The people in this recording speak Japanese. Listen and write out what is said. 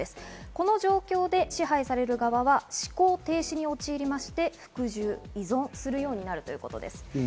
この状況で支配される側は思考停止に陥りまして、服従・依存することになるということです。